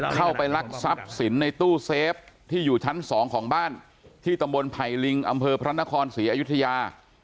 เข้าไปลักทรัพย์สินในตู้เซฟที่อยู่ชั้น๒ของบ้านที่ตำบลไผ่ลิงอำเภอพระนครศรีอยุธยา